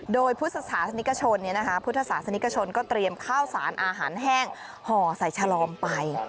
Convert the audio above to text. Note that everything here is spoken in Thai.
โดยพฤษภาษณิกภ์ชนนะคะพุทธศาสตร์ชนก็เตรียมข้าวสารอาหารแห้งห่อไส่ชลอมไป